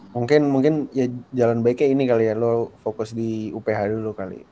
mungkin mungkin ya jalan baiknya ini kali ya lo fokus di uph dulu kali